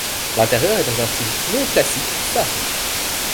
L’intérieur est dans un style néoclassique sarde.